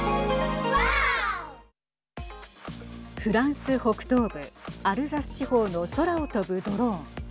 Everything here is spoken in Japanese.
フランス北東部アルザス地方の空を飛ぶドローン。